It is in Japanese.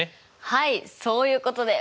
はいそういうことです。